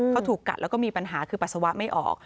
เขาถูกกัดแล้วก็มีปัญหาคือปัสสาวะไม่ออก